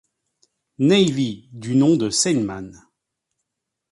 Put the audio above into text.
Navy du nom de Sandman.